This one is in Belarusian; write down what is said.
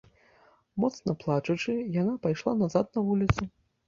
Моцна плачучы, яна пайшла назад на вуліцу.